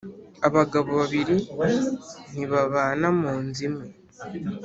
Abagabo babiri ntibabana mu nzu imwe.